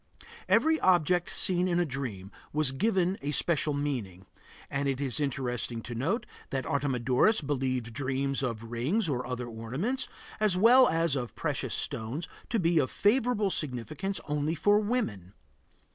Every object seen in a dream was given a special meaning, and it is interesting to note that Artemidorus believed dreams of rings or other ornaments, as well as of precious stones, to be of favorable significance only for women.